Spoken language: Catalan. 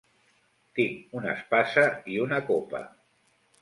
Tinc una espasa i una copa.